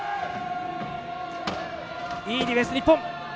いいディフェンス、日本。